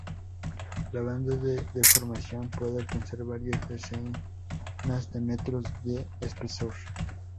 La banda de deformación puede alcanzar varias decenas de metros de espesor.